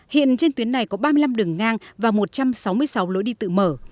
hiện trên tuyến này có ba mươi năm đường ngang và một trăm sáu mươi sáu lối đi tự mở